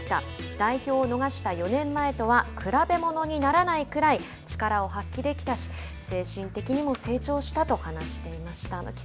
代表を逃した４年前とは比べものにならないくらい力を発揮できたし精神的にも成長したと話していました。